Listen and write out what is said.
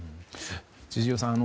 千々岩さん